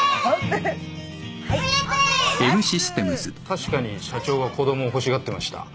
確かに社長は子供を欲しがってました。